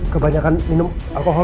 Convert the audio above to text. kebanyakan minum alkohol